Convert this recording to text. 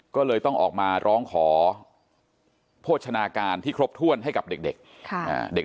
ก็เลยต้องออกมาร้องขอโภชนาการที่ครบถ้วนให้กับเด็ก